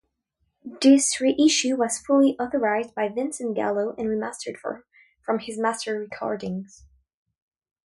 This reissue was fully authorized by Vincent Gallo and remastered from his master recordings.